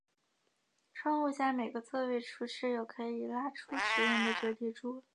窗户下每个座位处设有可以拉出使用的折叠桌。